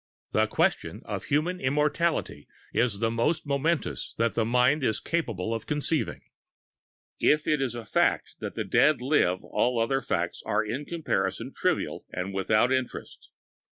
The question of human immortality is the most momentous that the mind is capable of conceiving. If it is a fact that the dead live, all other facts are in comparison trivial and without interest.